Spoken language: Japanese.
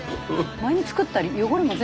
前に作った汚れも全部。